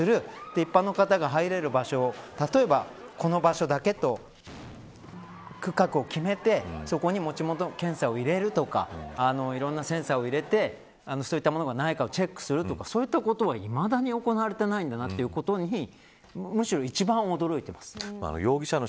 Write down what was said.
一般の方が入れる場所を例えば、この場所だけと区画を決めてそこに持ち物検査を入れるとかいろんなセンサーを入れてそういった物がないかチェックするとかそういったことがいまだに行われていないんだなということにむしろ一番驚いてます。